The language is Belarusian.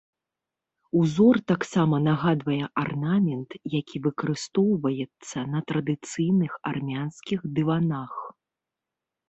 Узор таксама нагадвае арнамент, які выкарыстоўваецца на традыцыйных армянскіх дыванах.